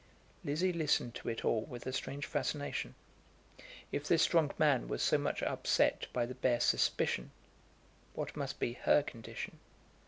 Lizzie listened to it all with a strange fascination. If this strong man were so much upset by the bare suspicion, what must be her condition?